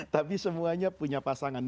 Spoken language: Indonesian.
tapi semuanya punya pasangan